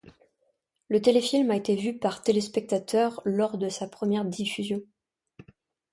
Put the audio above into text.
Le téléfilm a été vu par téléspectateurs lors de sa première diffusion.